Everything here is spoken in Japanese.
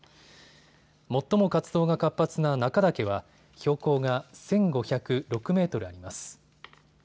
最も活動が活発な中岳は標高が１５０６メートルあります。